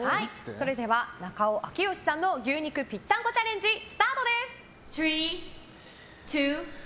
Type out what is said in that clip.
それでは中尾明慶さんの牛肉ぴったんこチャレンジスタートです。